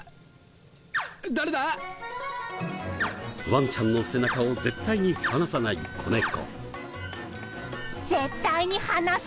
ワンちゃんの背中を絶対に離さない子猫。